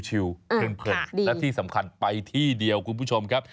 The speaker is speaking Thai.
ถึงขดดีและที่สำคัญไปที่เดียวขุมกลุ๊กชมแบบ